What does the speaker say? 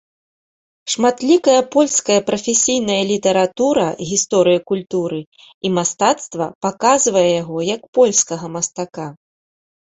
Шматлікая польская прафесійная літаратура гісторыі культуры і мастацтва паказвае яго як польскага мастака.